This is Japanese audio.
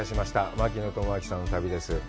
槙野智章さんの旅です。